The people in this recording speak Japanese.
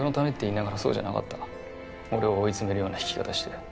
俺を追い詰めるような弾き方して。